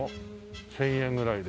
１０００円ぐらいで。